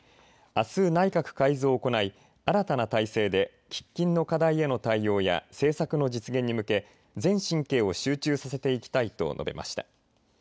あす内閣改造を行い新たな体制で喫緊の課題への対応や政策の実現に向け全神経を集中させていきたいと述べました。